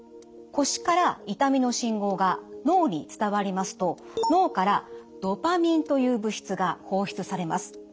腰から痛みの信号が脳に伝わりますと脳からドパミンという物質が放出されます。